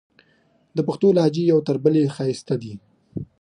د پښتو لهجې یو تر بلې ښایستې دي.